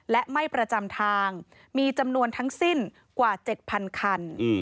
และไม่ประจำทางมีจำนวนทั้งสิ้นกว่า๗๐๐คัน